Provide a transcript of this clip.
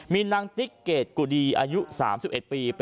มีนางติ๊กเกรดกุดีอายุ๓๑ปี